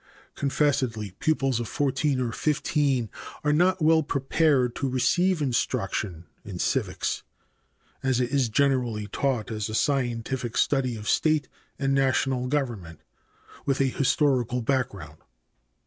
Confessedly pupils of 14 or 15 are not well prepared to receive instruction in civics, as it is generally taught as a scientific study of state and national government, with a historical background.